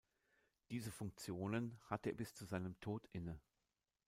Diese Funktionen hatte er bis zu seinem Tod inne.